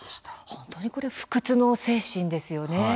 本当に不屈の精神ですよね。